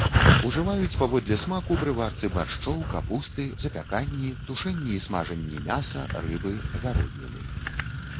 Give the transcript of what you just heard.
Ужываюць паводле смаку пры варцы баршчоў, капусты, запяканні, тушэнні і смажанні мяса, рыбы, гародніны.